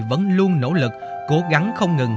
vẫn luôn nỗ lực cố gắng không ngừng